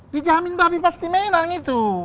dijamin babi pasti merah gitu